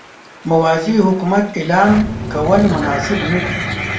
موازي حکومت اعلان کول مناسب نه دي.